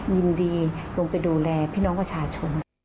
ยินดีลงไปดูแลพี่น้องประชาชน